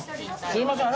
すいません。